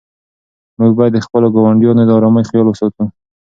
موږ باید د خپلو ګاونډیانو د آرامۍ خیال وساتو.